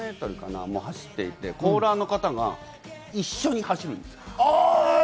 それも走っていてコーラーの方が一緒に走る。